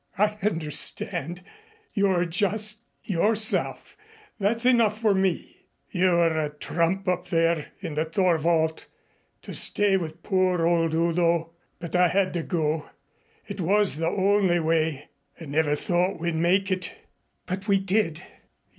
"I understand. You're just yourself. That's enough for me." "You were a trump up there in the Thorwald to stay with poor old Udo, but I had to go. It was the only way. I never thought we'd make it." "But we did."